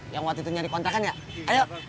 yang waktu itu nyari kontrakan ya ayo